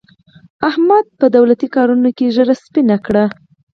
احمد په دولتي کارونو کې ږېره سپینه کړه.